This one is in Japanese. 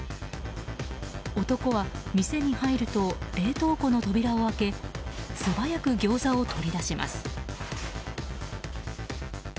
男は店に入ると冷凍庫の扉を開け素早くギョーザを取り出します。